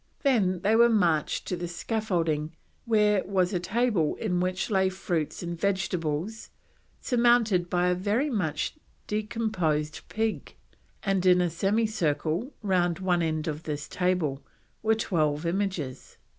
Then they were marched to the scaffolding, where was a table on which lay fruits and vegetables surmounted by a very much decomposed pig, and in a semicircle round one end of this table were twelve images.